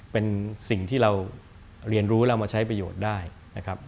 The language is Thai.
เป็นสิ่งที่เราเรียนรู้เรามาใช้ประโยชน์ได้นะครับ